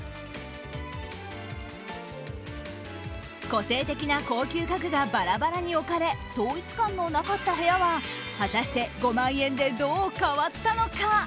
個性的な高級家具がバラバラに置かれ統一感のなかった部屋は果たして、５万円でどう変わったのか。